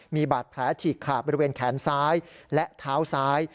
มีบาดแผลฉีกขาดบริเวณแขนซ้ายและเท้าซ้าย